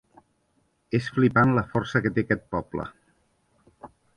És flipant la força que té aquest poble.